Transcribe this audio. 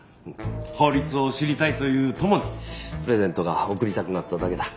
法律を知りたいという友にプレゼントが贈りたくなっただけだ。